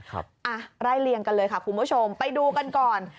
ไล่เลี่ยงกันเลยค่ะคุณผู้ชมไปดูกันก่อน